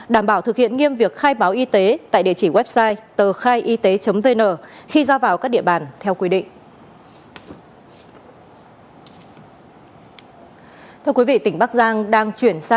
đảm bảo thực hiện nghiêm việc khai báo y tế tại địa chỉ website